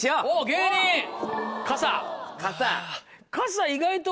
芸人傘。